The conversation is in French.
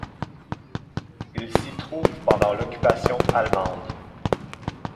Il s'y trouve pendant l'occupation allemande.